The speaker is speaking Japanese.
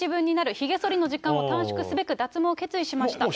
ひげそりの時間も短縮すべく脱毛を決意しました。